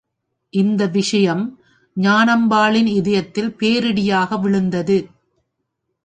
இந்த விஷயம் ஞானாம்பாளின் இதயத்தில் பேரிடியாக விழுந்தது.